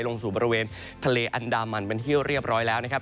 ลงสู่บริเวณทะเลอันดามันเป็นที่เรียบร้อยแล้วนะครับ